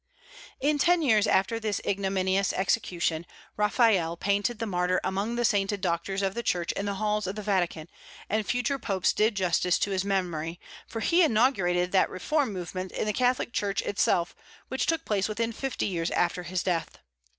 In ten years after this ignominious execution, Raphael painted the martyr among the sainted doctors of the Church in the halls of the Vatican, and future popes did justice to his memory, for he inaugurated that reform movement in the Catholic Church itself which took place within fifty years after his death.